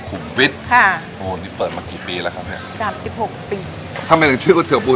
สวัสดีค่ะครับคุณแม่ครับไม่ว่ะหาว่าววว